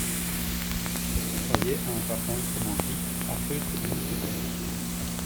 Raillait un rapin romantique à feutre de mousquetaire.